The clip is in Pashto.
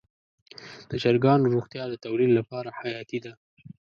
د چرګانو روغتیا د تولید لپاره حیاتي ده.